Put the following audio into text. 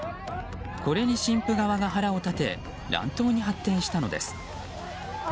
これに新婦側が腹を立て乱闘に発展したのです。